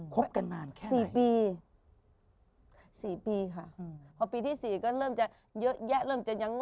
ครบกันนานแค่ไหน